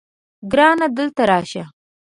ګرانه دلته راشه